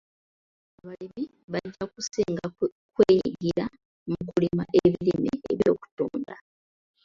Abalimi bajja kusinga kwenyigira mu kulima ebirime eby'okutunda.